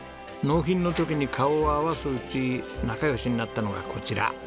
納品の時に顔を合わすうち仲良しになったのがこちら。